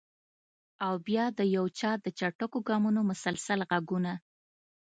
او بیا د یو چا د چټکو ګامونو مسلسل غږونه!